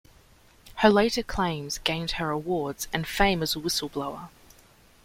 Her later claims gained her awards and fame as a whistleblower.